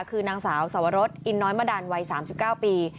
คือนางสาวสวรสอินน้อยมะดันวัย๓๙ปี